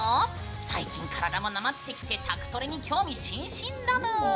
最近体がなまってきて宅トレに興味津々だぬー！